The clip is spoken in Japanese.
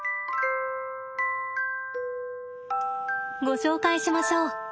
ご紹介しましょう。